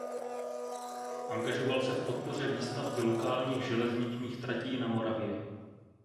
Angažoval se v podpoře výstavby lokálních železničních tratí na Moravě.